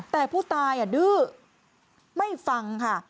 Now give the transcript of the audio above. แต่ผู้ตายดื้อไม่ฟังค่ะ